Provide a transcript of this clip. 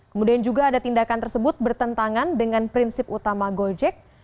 kemudian juga ada tindakan tersebut bertentangan dengan prinsip utama gojek